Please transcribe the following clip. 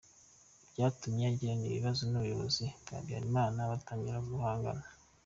Byatumye agirana ibibazo n’ubuyobozi bwa Habyarimana, batangira guhangana.